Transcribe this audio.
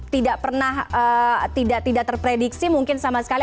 tidak pernah tidak terprediksi mungkin sama sekali